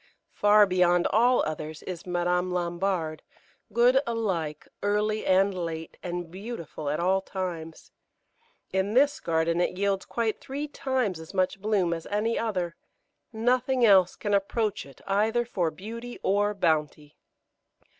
Far beyond all others is Madame Lambard, good alike early and late, and beautiful at all times. In this garden it yields quite three times as much bloom as any other; nothing else can approach it either for beauty or bounty.